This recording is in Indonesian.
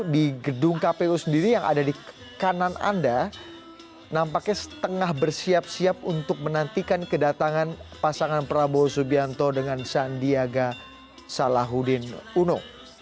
di gedung kpu sendiri yang ada di kanan anda nampaknya setengah bersiap siap untuk menantikan kedatangan pasangan prabowo subianto dengan sandiaga salahuddin uno